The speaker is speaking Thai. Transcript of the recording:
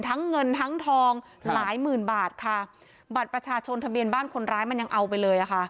ทั้งเงินทั้งทองหลายหมื่นบาทค่ะบัตรประชาชนทะเบียนบ้านคนร้ายมันยังเอาไปเลยอ่ะค่ะ